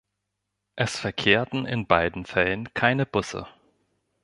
Es verkehrten in beiden Fällen keine Busse.